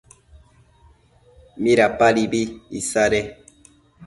¿midapadibi isade?